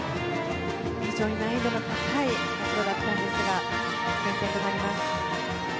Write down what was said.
非常に難易度の高いコンバインドだったんですが減点となります。